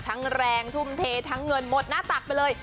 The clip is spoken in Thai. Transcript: แรงทุ่มเททั้งเงินหมดหน้าตักไปเลย